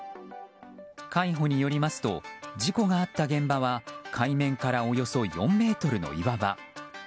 海保によりますと事故があった現場は海面からおよそ４ｍの岩場。